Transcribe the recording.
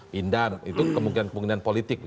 pindah itu kemungkinan politik